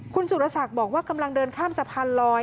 คุณสุรศักดิ์บอกว่ากำลังเดินข้ามสะพานลอย